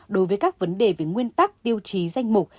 đối với các vấn đề về nguyên tắc tiêu chí danh mục